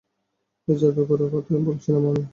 এই জাদুকরের কথাই বলছিলাম আমি।